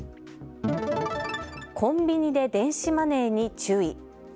コンビニで電子マネーに注意。